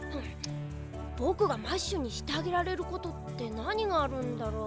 ぼくがマッシュにしてあげられることってなにがあるんだろう？